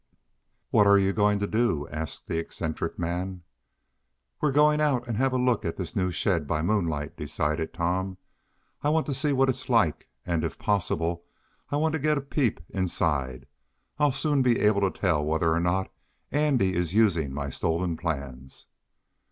"What are you going to do?" asked the eccentric man. "We're going out and have a look at this new shed by moonlight," decided Tom. "I want to see what it's like, and, if possible, I want to get a peep inside. I'll soon be able to tell whether or not Andy is using my stolen plans."